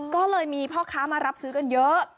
ก็เลยมีพ่อค้ามารับซื้อกันเยอะ